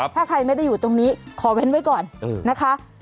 ถ้าใครไม่ได้อยู่ตรงนี้ขอเว้นไว้ก่อนนะคะ